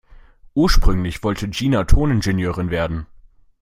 Ursprünglich wollte Gina Toningenieurin werden.